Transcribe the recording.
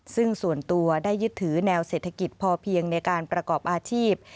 ซึ่งส่วนตัวได้ยึดถือแนวเศรษฐกิจพอเพียงในการประกอบอาชีพ